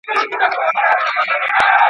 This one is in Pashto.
o د مسلمانانو زړونه سره سوري وي.